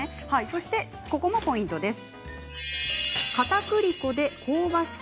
そして、ここがポイントです。